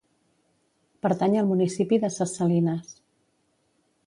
Pertany al municipi de Ses Salines.